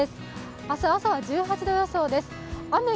明日朝は１８度予想です。